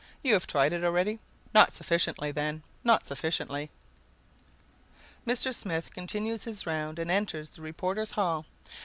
You have tried it already? Not sufficiently, then, not sufficiently!" Mr. Smith continues his round and enters the reporters' hall.